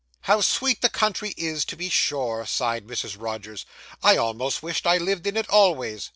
'How sweet the country is, to be sure!' sighed Mrs. Rogers; 'I almost wish I lived in it always.